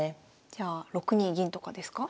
じゃあ６二銀とかですか？